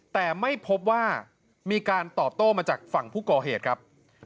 แต่ไม่พบว่ามีการตอบโต้มาจากฝั่งผู้ก่อเหตุครับ